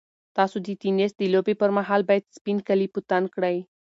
تاسو د تېنس د لوبې پر مهال باید سپین کالي په تن کړئ.